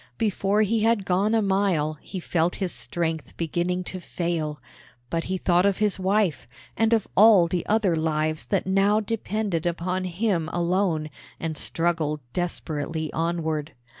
Before he had gone a mile he felt his strength beginning to fail; but he thought of his wife, and of all the other lives that now depended upon him alone, and struggled desperately onward.